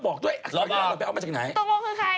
ตกลงคือใคร